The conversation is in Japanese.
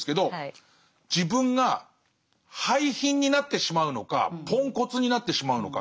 自分が廃品になってしまうのかポンコツになってしまうのか。